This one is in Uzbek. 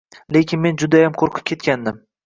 Lekin men judayam qo`rqib ketgandim